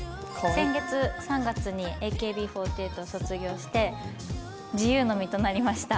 先月３月にＡＫＢ４８を卒業して自由の身となりました。